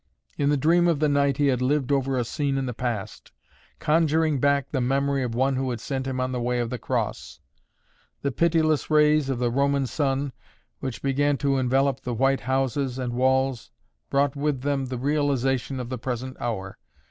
In the dream of the night he had lived over a scene in the past, conjuring back the memory of one who had sent him on the Way of the Cross. The pitiless rays of the Roman sun, which began to envelop the white houses and walls, brought with them the realization of the present hour.